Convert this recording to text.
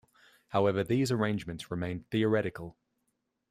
However, these arrangements remained theoretical.